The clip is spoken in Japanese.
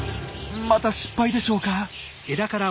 また失敗でしょうか。